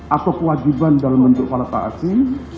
atau kewajiban dalam bentuk valeta asing